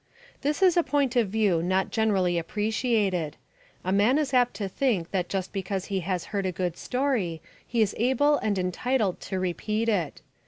This is a point of view not generally appreciated. A man is apt to think that just because he has heard a good story he is able and entitled to repeat it.